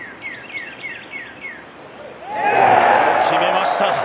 決めました！